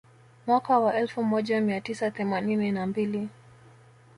Mwaka wa elfu moja mia tisa themanini na mbili